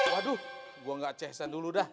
waduh gue gak ceksan dulu dah